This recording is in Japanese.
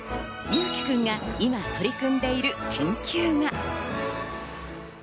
侑輝くんが今、取り組んでいる研究が。